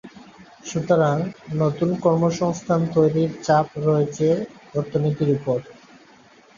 সুতরাং নতুন কর্মসংস্থান তৈরির চাপ রয়েছে অর্থনীতির ওপর।